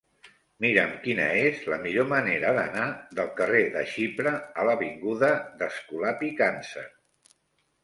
Mira'm quina és la millor manera d'anar del carrer de Xipre a l'avinguda d'Escolapi Càncer.